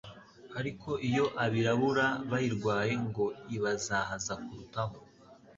ariko iyo abirabura bayirwaye ngo ibazahaza kurutaho